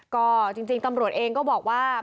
ก็จริงตำรวจเองก็บอกว่า